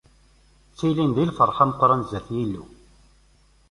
Ttilin di lferḥ ameqqran sdat Yillu.